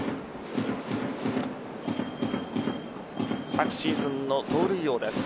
昨シーズンの盗塁王です。